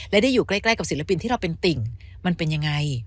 และได้อยู่ใกล้กับศิลปินที่เราเป็นติ่งมันเป็นยังไง